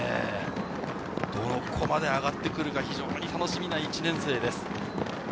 どこまで上がってくるか非常に楽しみな１年生です。